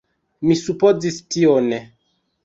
Mi supozis tion.